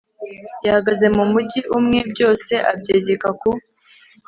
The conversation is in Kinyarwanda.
yahagaze mu mujyi umwe, ngo byose abyegeke ku